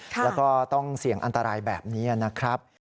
แล้วก็ต้องเสี่ยงอันตรายแบบนี้นะครับ